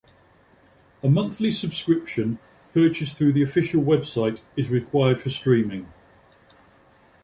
A monthly subscription purchased through the official website is required for streaming.